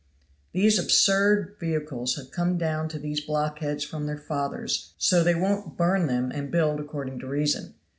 These absurd vehicles have come down to these blockheads from their fathers, so they won't burn them and build according to reason.